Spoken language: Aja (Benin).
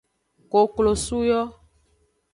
Koklosu yo.